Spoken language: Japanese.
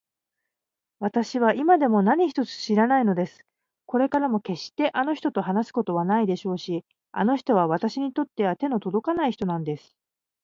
わたしは今でも何一つ知らないのです。これからもけっしてあの人と話すことはないでしょうし、あの人はわたしにとっては手のとどかない人なんです。